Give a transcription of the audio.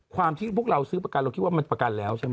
ความที่พวกเราซื้อประกันเราคิดว่ามันประกันแล้วใช่ไหม